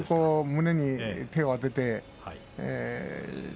胸に手をあてて。